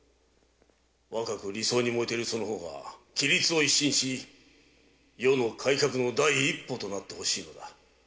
〔若く理想に燃えているその方が規律を一新し余の改革の第一歩となってほしいのだ。